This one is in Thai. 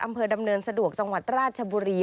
อำเภอดำเนินสะดวกจังหวัดราชบุรี